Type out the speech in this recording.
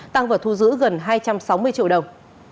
tăng vật thu giữ gần hai trăm sáu mươi triệu đồng